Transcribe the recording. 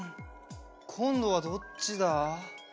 こんどはどっちだ？